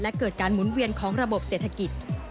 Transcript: และเกิดการหมุนเวียนของระบบเศรษฐกิจ